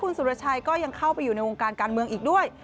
คุณสุรชัยก็ยังเข้าไปอยู่ในวงการการเมืองอีกด้วย